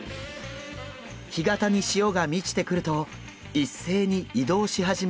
干潟に潮が満ちてくると一斉に移動し始めました。